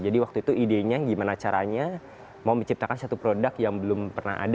jadi waktu itu idenya gimana caranya mau menciptakan satu produk yang belum ada